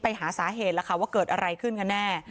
ไปหาสาเหตุว่าเกิดอะไรขึ้นกันแน่